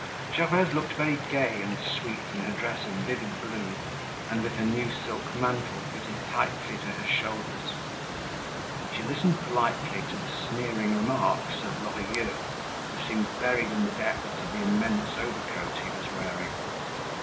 Gervaise looked very gay and sweet in her dress of vivid blue and with her new silk mantle fitted tightly to her shoulders. She listened politely to the sneering remarks of Lorilleux, who seemed buried in the depths of the immense overcoat he was wearing.